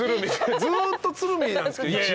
ずっと鶴見なんですけど一応ね。